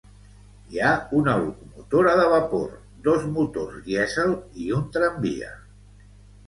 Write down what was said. Hi ha una locomotora de vapor, dos motors dièsel i un tramvia.